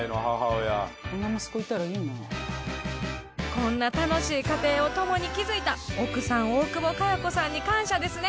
こんな楽しい家庭を共に築いた奥さん大久保佳代子さんに感謝ですね